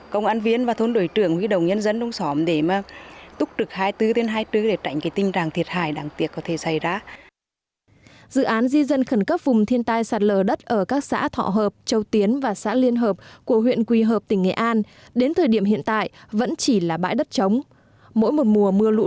trong tình trạng đó chính quyền đã phù hợp với mặt trần để huy động nhân dân ở trong xóm đến giúp đỡ các hồ gia đình di rời gia câm và những tài sản trảnh khỏi mưa lù